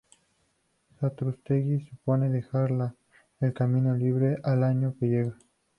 Satrústegui, "supone dejar el camino libre al año que llega".